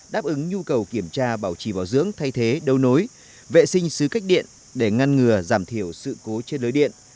đáp ứng nhu cầu kiểm tra bảo trì bảo dưỡng thay thế đấu nối vệ sinh xứ cách điện để ngăn ngừa giảm thiểu sự cố trên đối điện